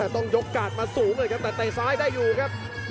ต้องยกกาดมาสูงเลยครับแต่เตะซ้ายได้อยู่ครับ